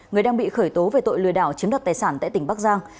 người đang bị khởi tố về tội lừa đảo chiếm đoạt tài sản tại tỉnh bắc giang